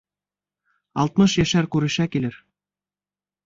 Алтмыш йәшәр күрешә килер.